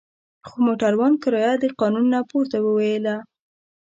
خو موټروان کرایه د قانون نه پورته وویله.